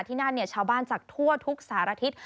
ที่นั่นชาวบ้านจากทั่วทุกสารทิศ